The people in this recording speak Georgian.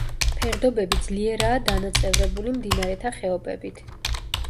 ფერდობები ძლიერაა დანაწევრებული მდინარეთა ხეობებით.